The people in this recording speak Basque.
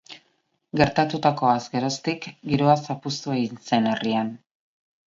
Gertatutakoaz geroztik, giroa zapuztu egin zen herrian.